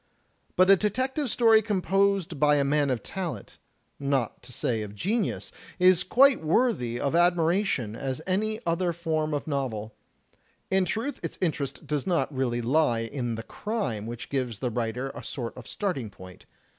But a detective story composed by a man of talent, not to say of genius, is quite as worthy of admiration as any other form of novel. In truth, its interest does not really lie in the crime which gives the writer a sort of starting point.